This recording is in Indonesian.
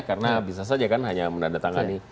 karena bisa saja kan hanya menandatangani